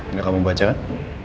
nggak kamu baca kan